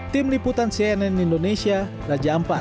tim liputan cnn indonesia raja ampat